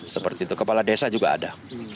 seperti itu kepala desa juga ada